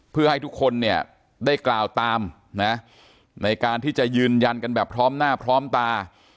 เพื่อให้ทุกคนเนี่ยได้กล่าวตามนะในการที่จะยืนยันกันแบบพร้อมหน้าพร้อมตา